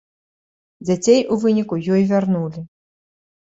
Дзяцей у выніку ёй вярнулі.